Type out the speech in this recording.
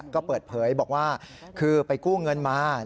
ก็เปิดเผยบอกว่าคือไปกู้เงินมา